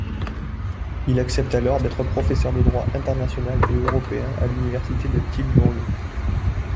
Il accepte alors d'être professeur de droit international et européen à l'université de Tilbourg.